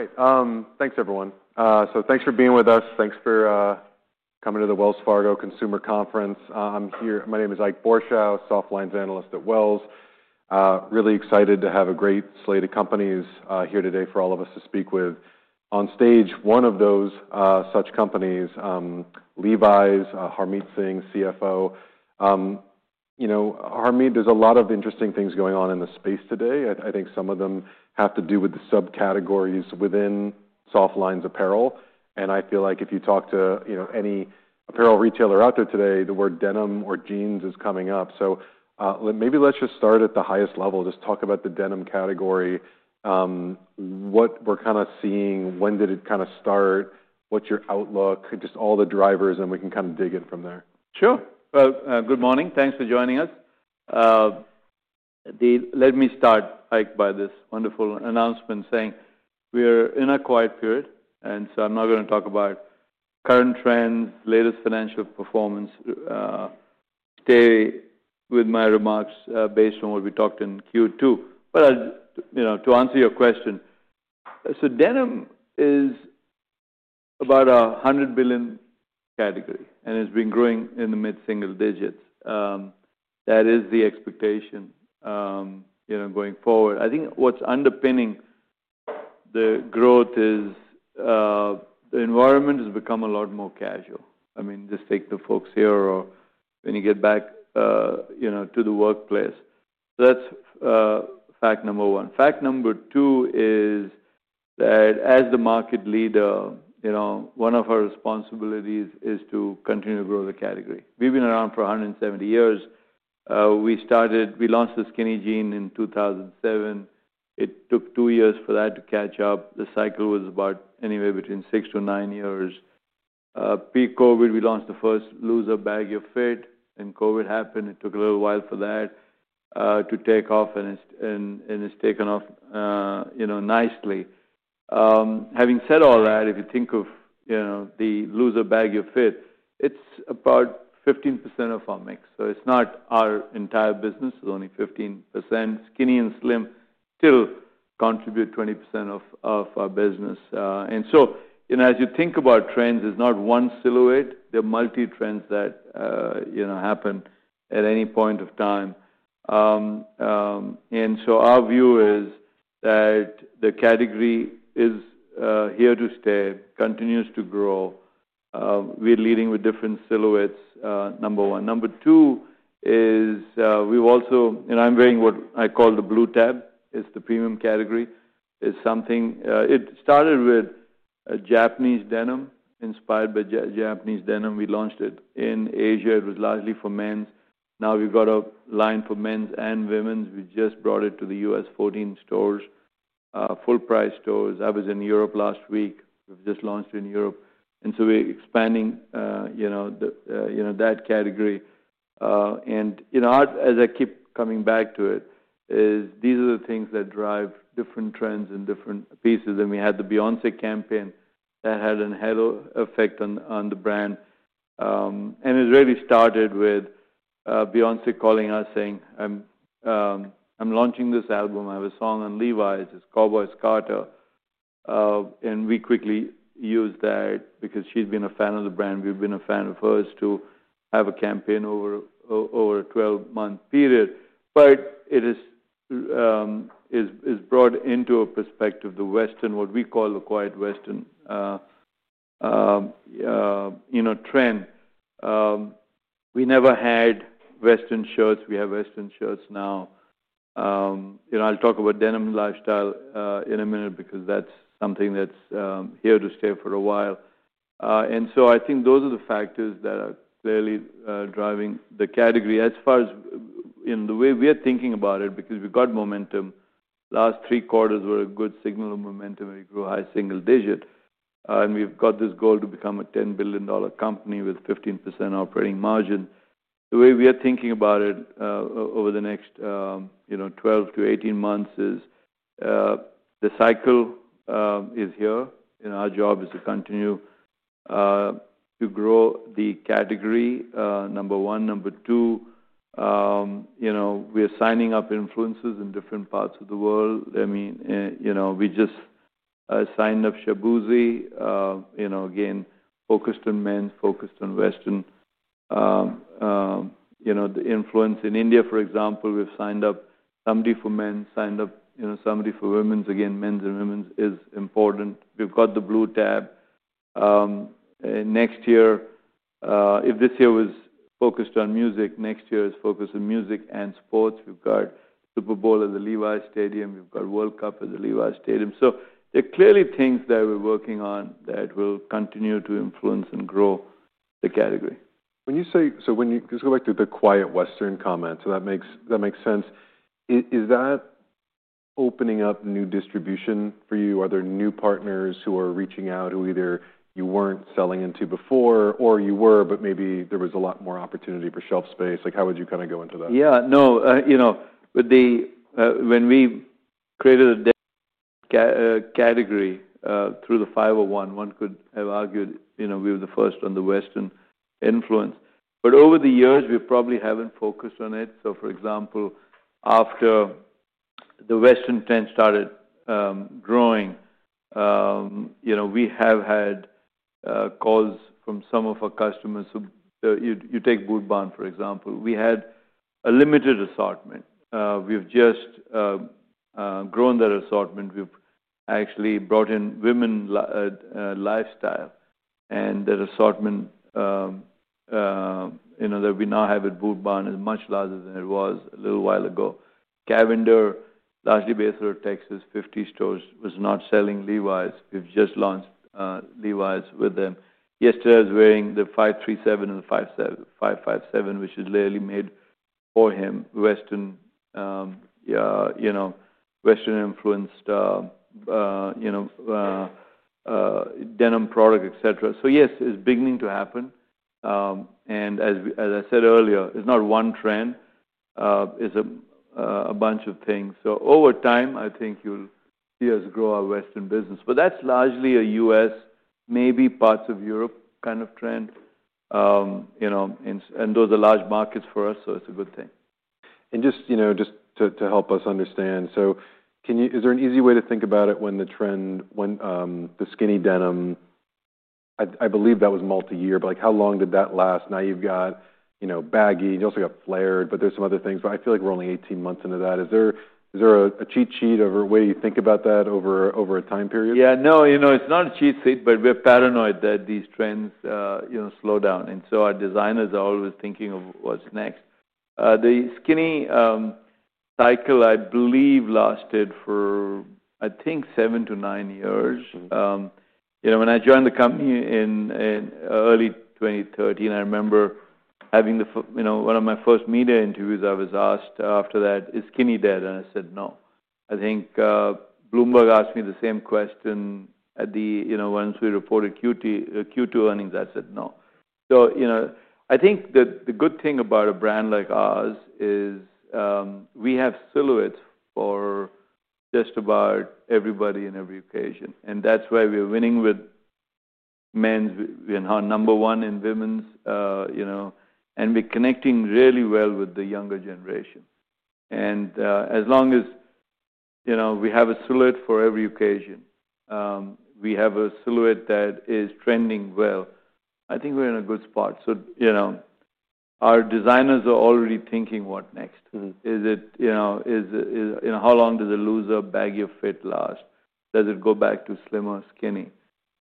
All right. Thanks, everyone. Thanks for being with us. Thanks for coming to the Wells Fargo Consumer Conference. I'm here. My name is Ike Borchow, Softlines Analyst at Wells. Really excited to have a great slate of companies here today for all of us to speak with. On stage, one of those such companies, Levi Strauss & Co., Harmit Singh, CFO. You know, Harmit, there's a lot of interesting things going on in the space today. I think some of them have to do with the subcategories within softlines apparel. I feel like if you talk to any apparel retailer out there today, the word denim or jeans is coming up. Maybe let's just start at the highest level, just talk about the denim category, what we're kind of seeing, when did it kind of start, what's your outlook, just all the drivers, and we can kind of dig in from there. Sure. Good morning. Thanks for joining us. Let me start, Ike, by this wonderful announcement saying we're in a quiet period. I'm not going to talk about current trends or latest financial performance today with my remarks, based on what we talked in Q2. To answer your question, denim is about a $100 billion category, and it's been growing in the mid-single digits. That is the expectation going forward. I think what's underpinning the growth is the environment has become a lot more casual. Just take the folks here or when you get back to the workplace. That's fact number one. Fact number two is that as the market leader, one of our responsibilities is to continue to grow the category. We've been around for 170 years. We started, we launched the skinny jean in 2007. It took two years for that to catch up. The cycle was about anywhere between six to nine years. Pre-COVID, we launched the first looser baggy fit, and COVID happened. It took a little while for that to take off, and it's taken off nicely. Having said all that, if you think of the looser baggy fit, it's about 15% of our mix. It's not our entire business. It's only 15%. Skinny and slim still contribute 20% of our business. As you think about trends, it's not one silhouette. There are multi-trends that happen at any point of time. Our view is that the category is here to stay and continues to grow. We're leading with different silhouettes, number one. Number two is, I'm wearing what I call the Blue Tab. It's the premium category. It started with a Japanese denim, inspired by Japanese denim. We launched it in Asia. It was largely for men. Now we've got a line for men's and women's. We just brought it to the U.S., 14 stores, full price stores. I was in Europe last week. We've just launched in Europe. We're expanding that category. As I keep coming back to it, these are the things that drive different trends and different pieces. We had the Beyoncé campaign that had a halo effect on the brand. It really started with Beyoncé calling us saying, "I'm launching this album. I have a song on Levi's. It's Cowboys Carter." We quickly used that because she'd been a fan of the brand. We've been a fan of hers to have a campaign over a 12-month period. It is brought into perspective, the Western, what we call the quiet Western trend. We never had Western shirts. We have Western shirts now. I'll talk about denim lifestyle in a minute because that's something that's here to stay for a while. I think those are the factors that are clearly driving the category as far as the way we're thinking about it because we've got momentum. The last three quarters were a good signal of momentum and it grew high single digit. We've got this goal to become a $10 billion company with 15% operating margin. The way we're thinking about it over the next 12 to 18 months is the cycle is here. Our job is to continue to grow the category, number one. Number two, we're signing up influencers in different parts of the world. I mean, we just signed up Shaboozi, again, focused on men, focused on Western. The influence in India, for example, we've signed up somebody for men, signed up somebody for women's. Again, men's and women's is important. We've got the Blue Tab. If this year was focused on music, next year is focused on music and sports. We've got Super Bowl in the Levi's stadium. We've got World Cup in the Levi's stadium. There are clearly things that we're working on that will continue to influence and grow the category. When you say, when you just go back to the quiet Western comment, that makes sense. Is that opening up new distribution for you? Are there new partners who are reaching out who either you weren't selling into before, or you were, but maybe there was a lot more opportunity for shelf space? How would you kind of go into that? Yeah, no, you know, but they, when we created a category through the 501, one could have argued, you know, we were the first on the Western influence. Over the years, we probably haven't focused on it. For example, after the Western trend started growing, we have had calls from some of our customers. You take Boot Barn, for example. We had a limited assortment. We've just grown that assortment. We've actually brought in women's lifestyle, and that assortment that we now have at Boot Barn is much larger than it was a little while ago. Cavender, largely based out of Texas, 50 stores, was not selling Levi's. We've just launched Levi's with them. Yesterday, I was wearing the 537 and the 557, which is literally made for him. Western influenced denim product, et cetera. Yes, it's beginning to happen. As I said earlier, it's not one trend. It's a bunch of things. Over time, I think you'll see us grow our Western business. That's largely a U.S., maybe parts of Europe kind of trend, and those are large markets for us. It's a good thing. Just to help us understand, is there an easy way to think about it when the trend, when the skinny denim, I believe that was multi-year, but how long did that last? Now you've got baggy. You also got flared, but there's some other things. I feel like we're only 18 months into that. Is there a cheat sheet over where you think about that over a time period? Yeah, no, you know, it's not a cheat sheet, but we're paranoid that these trends slow down. Our designers are always thinking of what's next. The skinny cycle, I believe, lasted for, I think, seven to nine years. When I joined the company in early 2013, I remember having one of my first media interviews. I was asked after that, is Skinny dead? I said, no. I think Bloomberg asked me the same question once we reported Q2 earnings. I said, no. The good thing about a brand like ours is we have silhouettes for just about everybody in every occasion. That's why we're winning with men's. We're now number one in women's, and we're connecting really well with the younger generation. As long as we have a silhouette for every occasion, we have a silhouette that is trending well, I think we're in a good spot. Our designers are already thinking what next. Is it, you know, how long does a looser baggy fit last? Does it go back to slimmer, skinny,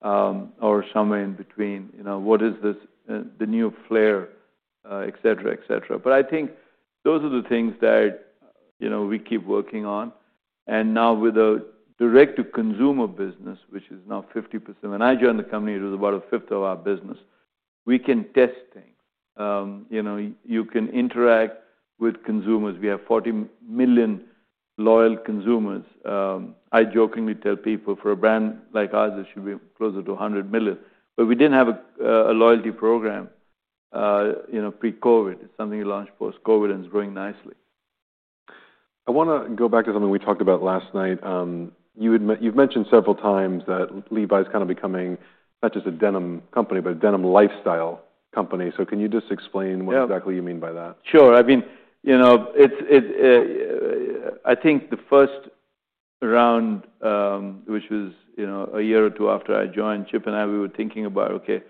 or somewhere in between? What is this, the new flare, et cetera, et cetera. I think those are the things that we keep working on. Now with a direct-to-consumer business, which is now 50%, when I joined the company, it was about a fifth of our business. We can test things. You can interact with consumers. We have 40 million loyal consumers. I jokingly tell people for a brand like ours, there should be closer to 100 million. We didn't have a loyalty program pre-COVID. It's something we launched post-COVID and it's growing nicely. I want to go back to something we talked about last night. You've mentioned several times that Levi's is kind of becoming not just a denim company, but a denim lifestyle company. Can you just explain what exactly you mean by that? Sure. I mean, it's, I think the first round, which was a year or two after I joined, Chip and I, we were thinking about, okay,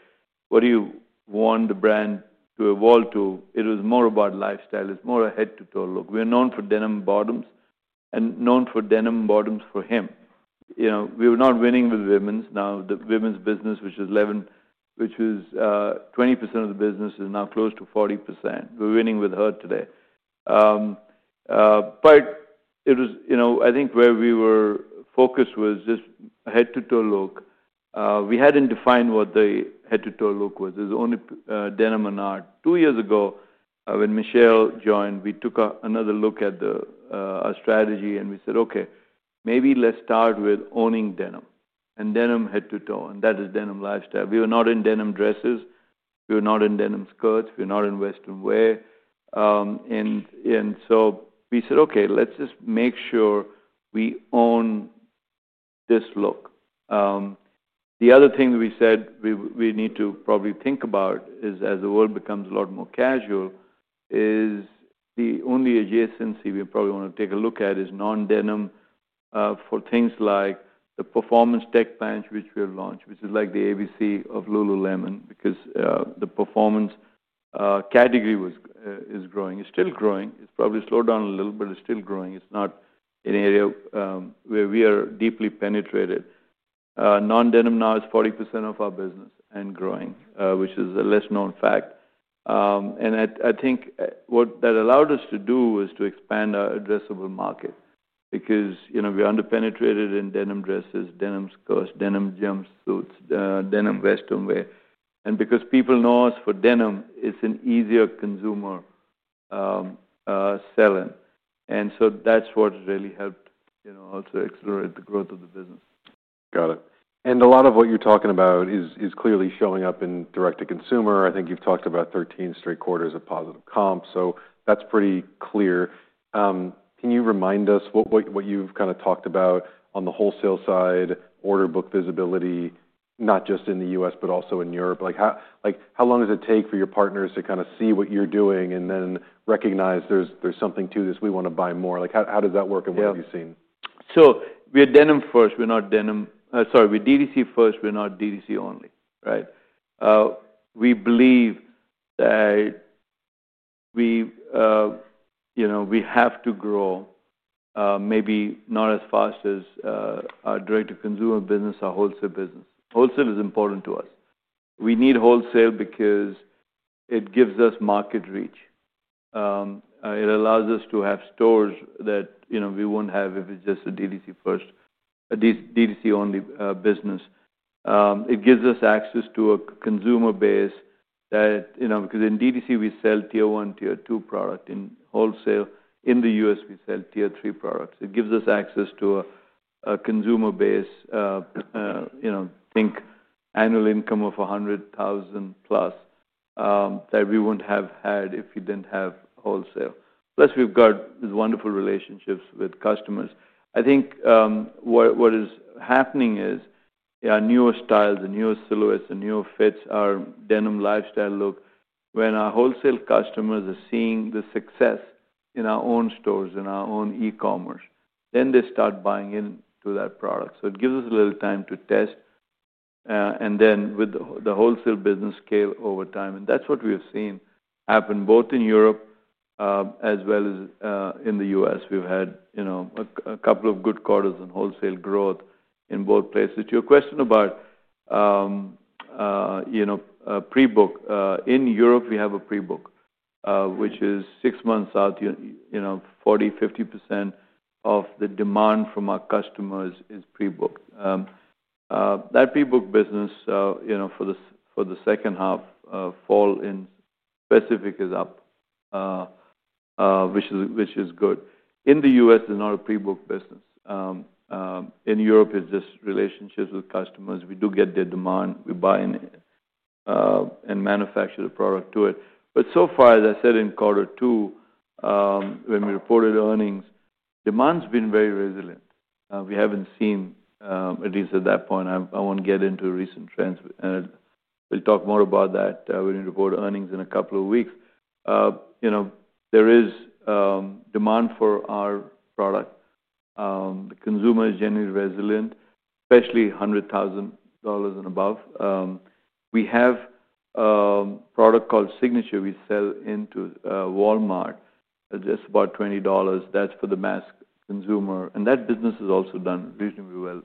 what do you want the brand to evolve to? It was more about lifestyle. It's more a head-to-toe look. We're known for denim bottoms and known for denim bottoms for him. We were not winning with women's. Now the women's business, which is 11, which was 20% of the business, is now close to 40%. We're winning with her today. It was, I think where we were focused was just head-to-toe look. We hadn't defined what the head-to-toe look was. It was only denim and art. Two years ago, when Michelle joined, we took another look at the strategy and we said, okay, maybe let's start with owning denim and denim head-to-toe, and that is denim lifestyle. We were not in denim dresses. We were not in denim skirts. We were not in Western wear. We said, okay, let's just make sure we own this look. The other thing that we said we need to probably think about is as the world becomes a lot more casual, is the only adjacency we probably want to take a look at is non-denim, for things like the performance tech bench, which we have launched, which is like the ABC of Lululemon, because the performance category is growing. It's still growing. It's probably slowed down a little, but it's still growing. It's not an area where we are deeply penetrated. Non-denim now is 40% of our business and growing, which is a less known fact. I think what that allowed us to do was to expand our addressable market because we're underpenetrated in denim dresses, denim skirts, denim jumpsuits, denim Western wear. Because people know us for denim, it's an easier consumer selling. That's what really helped also accelerate the growth of the business. Got it. A lot of what you're talking about is clearly showing up in direct-to-consumer. I think you've talked about 13 straight quarters of positive comps, so that's pretty clear. Can you remind us what you've kind of talked about on the wholesale side, order book visibility, not just in the U.S., but also in Europe? How long does it take for your partners to see what you're doing and then recognize there's something to this? We want to buy more. How does that work and what have you seen? Yeah. We're denim first. We're not DTC. Sorry, we're DTC first. We're not DTC only. Right. We believe that we have to grow, maybe not as fast as our direct-to-consumer business, our wholesale business. Wholesale is important to us. We need wholesale because it gives us market reach. It allows us to have stores that we won't have if it's just a DTC first, a DTC only business. It gives us access to a consumer base that, you know, because in DTC we sell tier one, tier two product. In wholesale, in the U.S., we sell tier three products. It gives us access to a consumer base, think annual income of $100,000 plus, that we wouldn't have had if we didn't have wholesale. Plus, we've got these wonderful relationships with customers. I think what is happening is our newer styles, the newest silhouettes, the newer fits are denim lifestyle look. When our wholesale customers are seeing the success in our own stores, in our own e-commerce, then they start buying into that product. It gives us a little time to test, and then with the wholesale business, scale over time. That's what we have seen happen both in Europe as well as in the U.S. We've had a couple of good quarters in wholesale growth in both places. To your question about pre-book, in Europe, we have a pre-book, which is six months out. 40% to 50% of the demand from our customers is pre-booked. That pre-booked business for the second half, fall in specific, is up, which is good. In the U.S., there's not a pre-booked business. In Europe, it's just relationships with customers. We do get their demand. We buy in and manufacture the product to it. So far, as I said, in quarter two, when we reported earnings, demand's been very resilient. We haven't seen, at least at that point. I won't get into recent trends. We'll talk more about that when we report earnings in a couple of weeks. There is demand for our product. The consumer is generally resilient, especially $100,000 and above. We have a product called Signature by Levi Strauss & Co. we sell into Walmart, just about $20. That's for the mass consumer. That business has also done reasonably well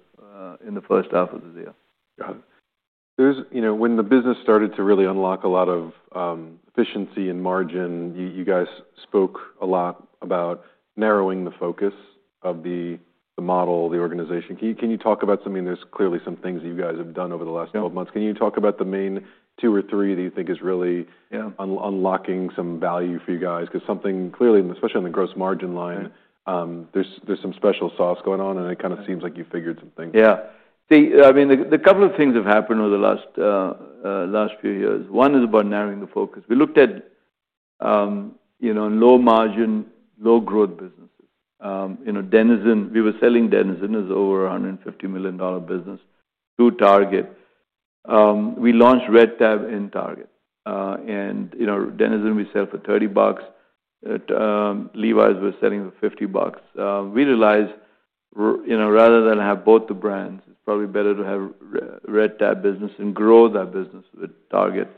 in the first half of this year. Got it. When the business started to really unlock a lot of efficiency and margin, you guys spoke a lot about narrowing the focus of the model, the organization. Can you talk about something? There are clearly some things that you guys have done over the last 12 months. Can you talk about the main two or three that you think is really unlocking some value for you guys? Because something clearly, especially on the gross margin line, there's some special sauce going on and it kind of seems like you figured some things. Yeah. See, I mean, a couple of things have happened over the last few years. One is about narrowing the focus. We looked at, you know, low margin, low growth businesses. Denizen, we were selling Denizen as over a $150 million business to Target. We launched Red Tab in Target, and Denizen we sell for $30. Levi's we're selling for $50. We realized, you know, rather than have both the brands, it's probably better to have Red Tab business and grow that business with Target,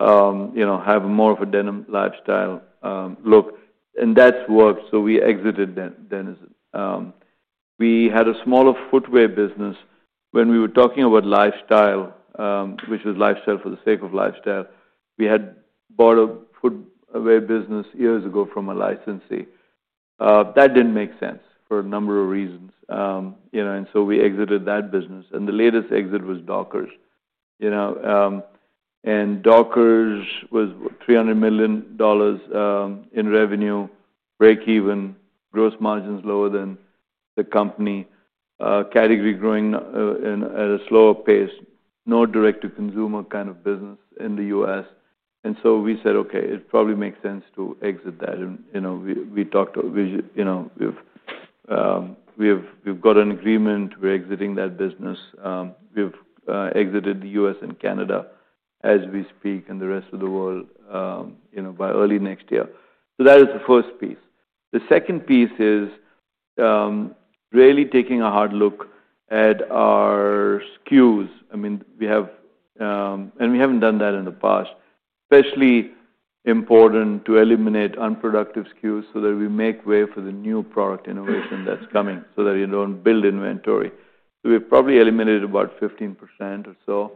you know, have more of a denim lifestyle look. That's worked. We exited Denizen. We had a smaller footwear business. When we were talking about lifestyle, which was lifestyle for the sake of lifestyle, we had bought a footwear business years ago from a licensee. That didn't make sense for a number of reasons, and so we exited that business. The latest exit was Dockers. Dockers was $300 million in revenue, break even, gross margins lower than the company, category growing at a slower pace, no direct-to-consumer kind of business in the U.S. We said, okay, it probably makes sense to exit that. We talked to, you know, we've got an agreement. We're exiting that business. We've exited the U.S. and Canada as we speak and the rest of the world by early next year. That is the first piece. The second piece is really taking a hard look at our SKUs. I mean, we have, and we haven't done that in the past. Especially important to eliminate unproductive SKUs so that we make way for the new product innovation that's coming so that you don't build inventory. We've probably eliminated about 15% or so.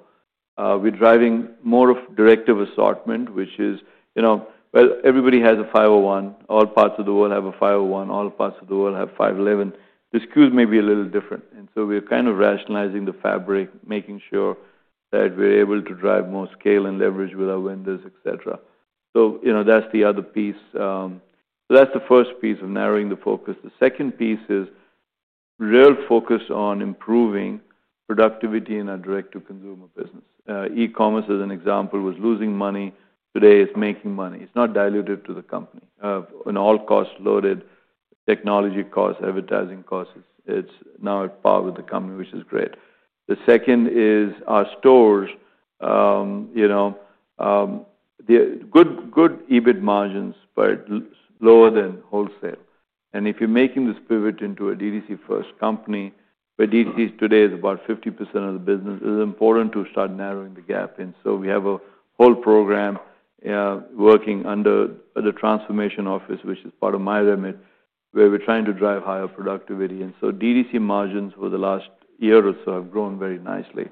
We're driving more of directive assortment, which is, you know, well, everybody has a 501. All parts of the world have a 501. All parts of the world have 511. The SKUs may be a little different. We're kind of rationalizing the fabric, making sure that we're able to drive more scale and leverage with our vendors, et cetera. That's the other piece. That's the first piece of narrowing the focus. The second piece is real focus on improving productivity in our direct-to-consumer business. E-commerce as an example was losing money. Today it's making money. It's not diluted to the company. An all-cost loaded technology cost, advertising cost, it's now at par with the company, which is great. The second is our stores. You know, the good, good EBIT margins, but lower than wholesale. If you're making this pivot into a DTC-first company, where DTC today is about 50% of the business, it is important to start narrowing the gap. We have a whole program working under the transformation office, which is part of my remit, where we're trying to drive higher productivity. DTC margins over the last year or so have grown very nicely.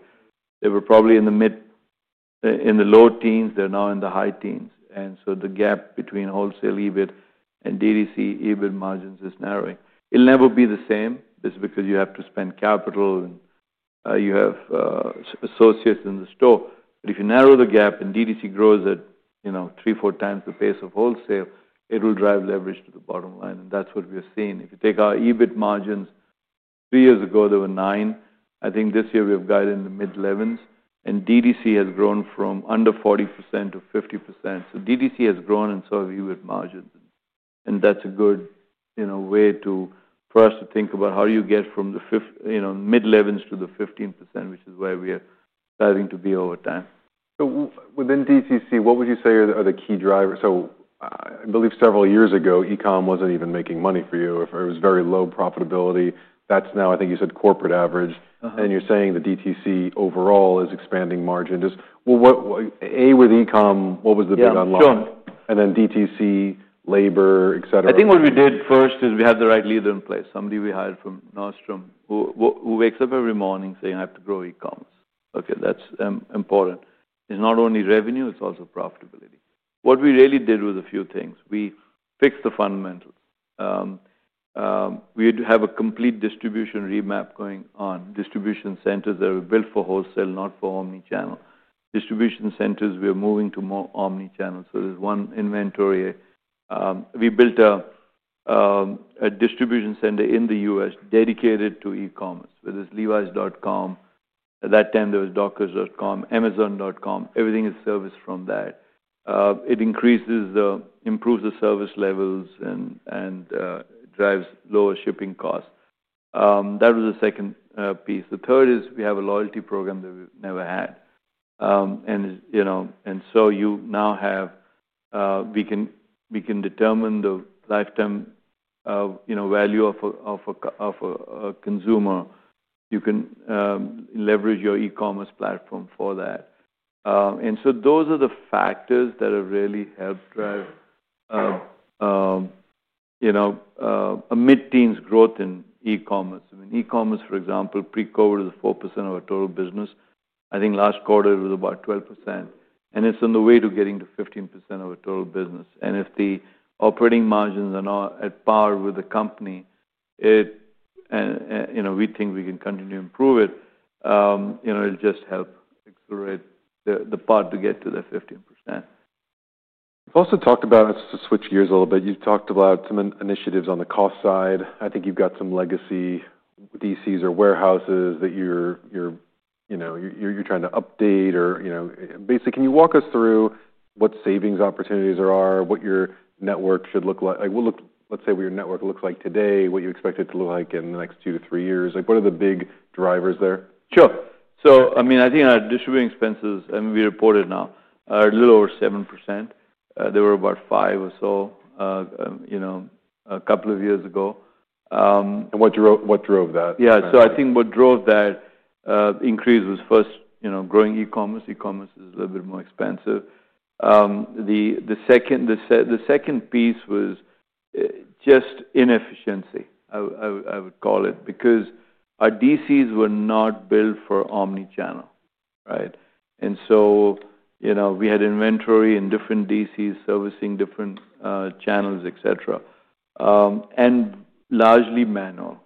They were probably in the low teens. They're now in the high teens. The gap between wholesale EBIT and DTC EBIT margins is narrowing. It'll never be the same. It's because you have to spend capital and you have associates in the store. If you narrow the gap and DTC grows at, you know, three, four times the pace of wholesale, it'll drive leverage to the bottom line. That's what we are seeing. If you take our EBIT margins, three years ago they were nine. I think this year we have got in the mid 11s. DTC has grown from under 40% to 50%. DTC has grown and so have EBIT margins. That's a good, you know, way for us to think about how do you get from the mid 11s to the 15%, which is where we are starting to be over time. Within DTC, what would you say are the key drivers? I believe several years ago, e-commerce wasn't even making money for you. If it was very low profitability, that's now, I think you said corporate average. You're saying the DTC overall is expanding margin. With e-commerce, what was the big unlock? Then DTC, labor, et cetera. I think what we did first is we had the right leader in place. Somebody we hired from Nordstrom, who wakes up every morning saying, "I have to grow e-coms." That's important. It's not only revenue, it's also profitability. What we really did was a few things. We fixed the fundamentals. We had to have a complete distribution remap going on. Distribution centers that were built for wholesale, not for omnichannel. Distribution centers, we're moving to more omnichannel. There's one inventory. We built a distribution center in the U.S. dedicated to e-commerce. There's levi.com. At that time, there was dockers.com, amazon.com. Everything is serviced from that. It increases the, improves the service levels and drives lower shipping costs. That was the second piece. The third is we have a loyalty program that we've never had. You now have, we can determine the lifetime value of a consumer. You can leverage your e-commerce platform for that. Those are the factors that have really helped drive a mid-teens growth in e-commerce. E-commerce, for example, pre-COVID was 4% of our total business. I think last quarter it was about 12%. It's on the way to getting to 15% of our total business. If the operating margins are not at par with the company, we think we can continue to improve it. It'll just help accelerate the part to get to that 15%. You've also talked about, let's just switch gears a little bit. You've talked about some initiatives on the cost side. I think you've got some legacy DCs or warehouses that you're trying to update or basically, can you walk us through what savings opportunities there are, what your network should look like? Like, let's say what your network looks like today, what you expect it to look like in the next two to three years. What are the big drivers there? Sure. I think our distributing expenses, I mean, we reported now, are a little over 7%. They were about 5% or so a couple of years ago. What drove that? Yeah. I think what drove that increase was first, you know, growing e-commerce. E-commerce is a little bit more expensive. The second piece was just inefficiency, I would call it, because our DCs were not built for omnichannel. Right. We had inventory in different DCs, servicing different channels, et cetera, and largely manual.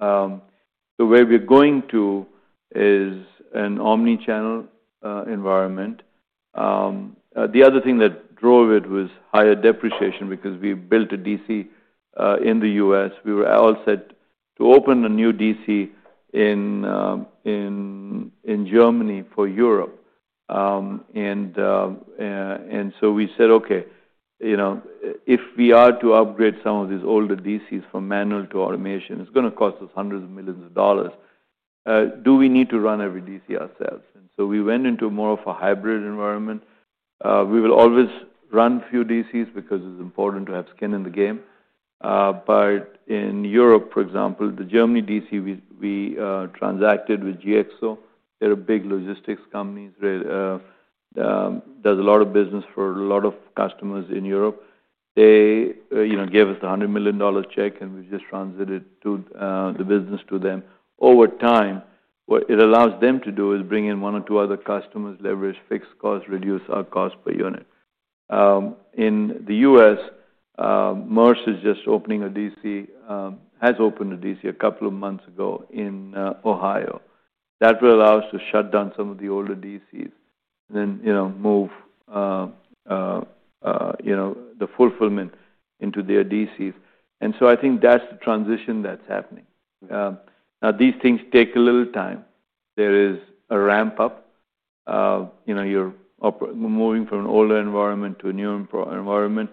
The way we're going to is an omnichannel environment. The other thing that drove it was higher depreciation because we built a DC in the U.S. We were all set to open a new DC in Germany for Europe. We said, okay, you know, if we are to upgrade some of these older DCs from manual to automation, it's going to cost us hundreds of millions of dollars. Do we need to run every DC ourselves? We went into more of a hybrid environment. We will always run a few DCs because it's important to have skin in the game. In Europe, for example, the Germany DC, we transacted with GXO. They're a big logistics company, does a lot of business for a lot of customers in Europe. They gave us a $100 million check and we've just transited the business to them. Over time, what it allows them to do is bring in one or two other customers, leverage fixed costs, reduce our cost per unit. In the U.S., Maersk is just opening a DC, has opened a DC a couple of months ago in Ohio. That will allow us to shut down some of the older DCs and then move the fulfillment into their DCs. I think that's the transition that's happening. Now these things take a little time. There is a ramp up. You're moving from an older environment to a newer environment.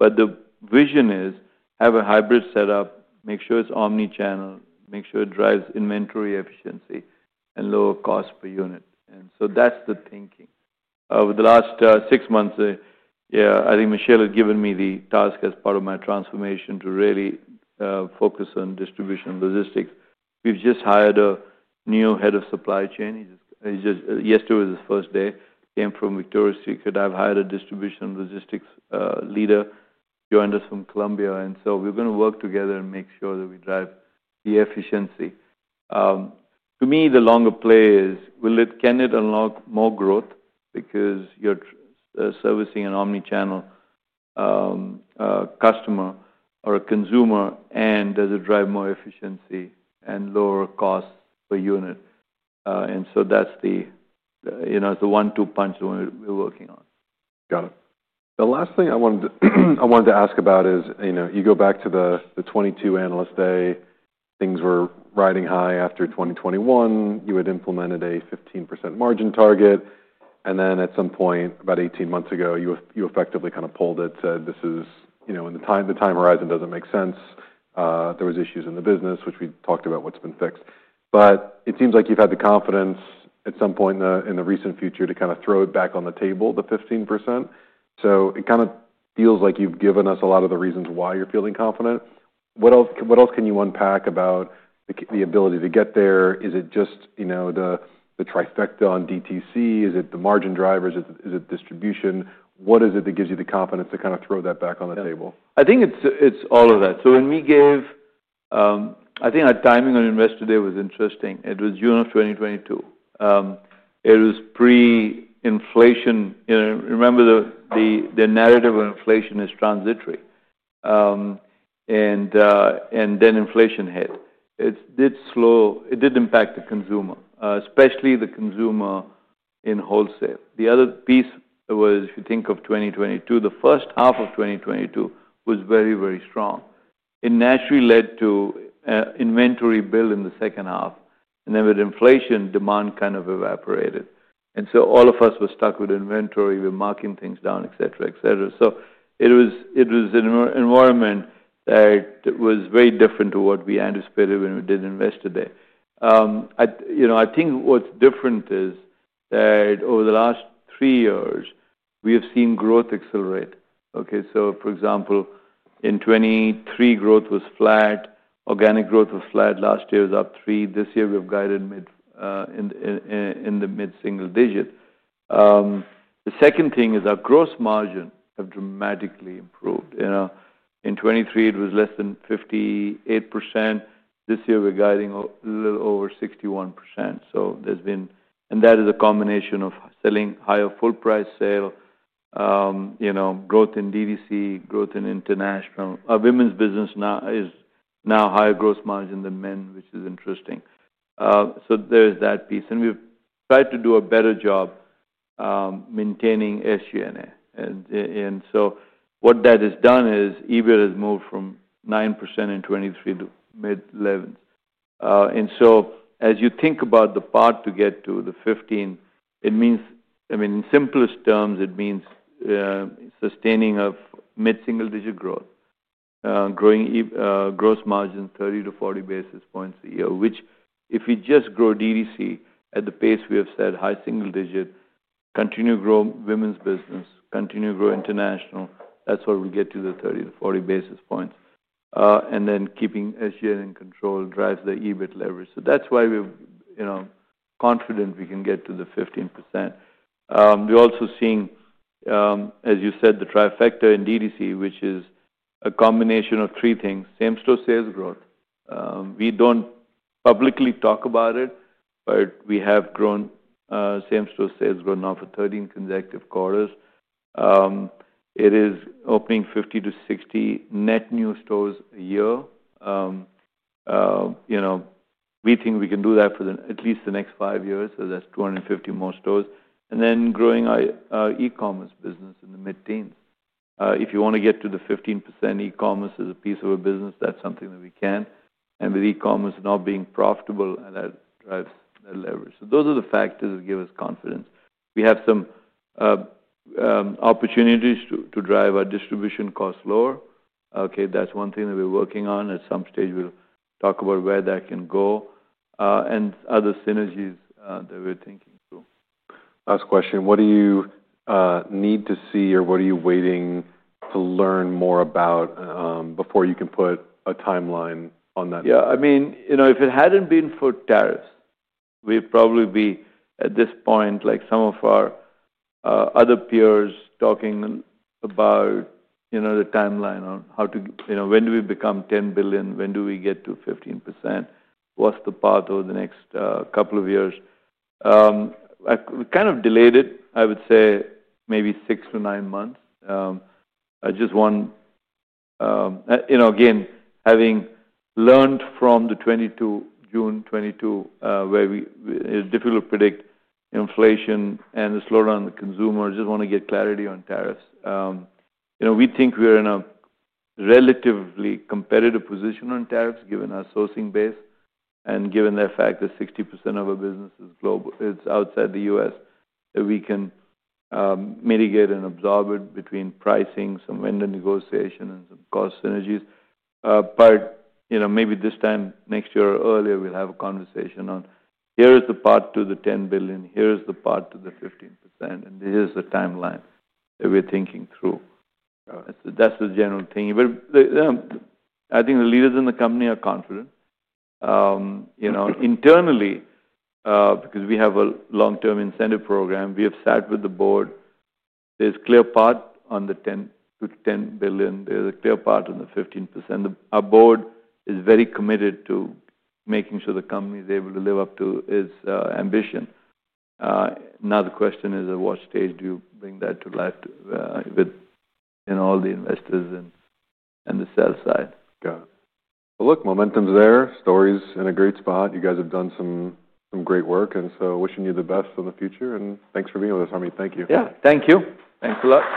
The vision is have a hybrid setup, make sure it's omnichannel, make sure it drives inventory efficiency and lower cost per unit. That's the thinking. Over the last six months, I think Michelle had given me the task as part of my transformation to really focus on distribution logistics. We've just hired a new Head of Supply Chain. Yesterday was his first day. He came from Victoria Street. I've hired a distribution logistics leader who joined us from Columbia. We're going to work together and make sure that we drive the efficiency. To me, the longer play is, will it, can it unlock more growth because you're servicing an omnichannel customer or a consumer? Does it drive more efficiency and lower costs per unit? That's the, you know, it's the one-two punch that we're working on. Got it. The last thing I wanted to ask about is, you know, you go back to the 2022 analyst day, things were riding high after 2021. You had implemented a 15% margin target. At some point, about 18 months ago, you effectively kind of pulled it, said this is, you know, the time horizon doesn't make sense. There were issues in the business, which we talked about what's been fixed. It seems like you've had the confidence at some point in the recent future to kind of throw it back on the table, the 15%. It kind of feels like you've given us a lot of the reasons why you're feeling confident. What else can you unpack about the ability to get there? Is it just, you know, the trifecta on DTC? Is it the margin drivers? Is it distribution? What is it that gives you the confidence to kind of throw that back on the table? Yeah, I think it's all of that. When we gave, I think our timing on Investor Day was interesting. It was June of 2022. It was pre-inflation. You know, remember the narrative of inflation is transitory, and then inflation hit. It did slow, it did impact the consumer, especially the consumer in wholesale. The other piece was, if you think of 2022, the first half of 2022 was very, very strong. It naturally led to an inventory build in the second half. With inflation, demand kind of evaporated. All of us were stuck with inventory. We're marking things down, et cetera, et cetera. It was an environment that was very different to what we anticipated when we did Investor Day. I think what's different is that over the last three years, we have seen growth accelerate. For example, in 2023, growth was flat. Organic growth was flat. Last year was up 3. This year we've guided in the mid-single digit. The second thing is our gross margin has dramatically improved. In 2023, it was less than 58%. This year we're guiding a little over 61%. That is a combination of selling higher full price sale, growth in DTC, growth in international. Our women's business now is now higher gross margin than men, which is interesting. There's that piece. We've tried to do a better job maintaining SG&A. What that has done is EBIT has moved from 9% in 2023 to mid 11th. As you think about the path to get to the 15, in simplest terms, it means sustaining of mid-single digit growth, growing gross margin 30 to 40 basis points a year, which if we just grow DTC at the pace we have said, high single digit, continue to grow women's business, continue to grow international, that's what will get to the 30 to 40 basis points. Keeping SG&A in control drives the EBIT leverage. That's why we're confident we can get to the 15%. We're also seeing, as you said, the trifecta in DTC, which is a combination of three things. Same store sales growth. We don't publicly talk about it, but we have grown same store sales growth now for 13 consecutive quarters. It is opening 50 to 60 net new stores a year. We think we can do that for at least the next five years. That's 250 more stores. Growing our e-commerce business in the mid-teens. If you want to get to the 15% e-commerce as a piece of the business, that's something that we can. With e-commerce now being profitable, that drives that leverage. Those are the factors that give us confidence. We have some opportunities to drive our distribution costs lower. That's one thing that we're working on. At some stage, we'll talk about where that can go, and other synergies that we're thinking through. Last question. What do you need to see or what are you waiting to learn more about before you can put a timeline on that? Yeah, I mean, if it hadn't been for tariffs, we'd probably be at this point, like some of our other peers talking about the timeline on how to, you know, when do we become $10 billion? When do we get to 15%? What's the path over the next couple of years? We kind of delayed it. I would say maybe six to nine months. I just want, you know, again, having learned from 2022, June 2022, where it's difficult to predict inflation and the slowdown in the consumer, just want to get clarity on tariffs. We think we're in a relatively competitive position on tariffs given our sourcing base and given the fact that 60% of our business is global, it's outside the U.S., that we can mitigate and absorb it between pricing, some vendor negotiation, and some cost synergies. Maybe this time next year or earlier, we'll have a conversation on here is the path to the $10 billion, here is the path to the 15%, and here's the timeline that we're thinking through. Got it. That's the general thing. I think the leaders in the company are confident. Internally, because we have a long-term incentive program, we have sat with the board. There's a clear path on the $10 billion. There's a clear path on the 15%. Our board is very committed to making sure the company is able to live up to its ambition. Now the question is at what stage do you bring that to life with all the investors and the sell side? Got it. Momentum's there. Story's in a great spot. You guys have done some great work. Wishing you the best in the future. Thanks for being with us, Harmit. Thank you. Yeah, thank you. Thanks a lot.